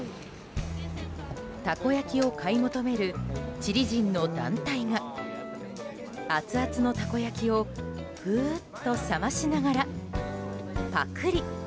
たこ焼きを買い求めるチリ人の団体がアツアツのたこ焼きをふと冷ましながら、パクリ。